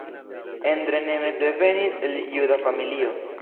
Endre Nemes devenis el juda familio.